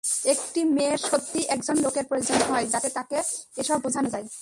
একটি মেয়ের সত্যিই একজন লোকের প্রয়োজন হয় যাতে তাকে এসব বোঝানো যায়।